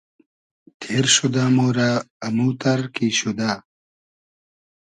تېر شودۂ مۉرۂ اموتئر کی شودۂ